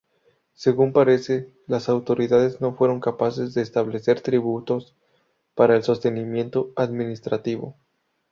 Según parece, las autoridades no fueron capaces de establecer tributos para el sostenimiento administrativo.